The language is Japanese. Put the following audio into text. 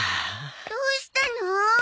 どうしたの？